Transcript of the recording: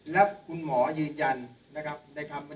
และคุณหมอยืนยันในคำว่า